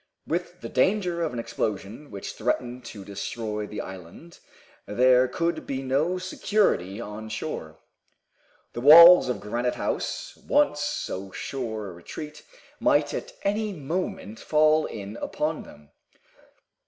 With the danger of an explosion which threatened to destroy the island there could be no security on shore. The walls of Granite House, once so sure a retreat, might at any moment fall in upon them.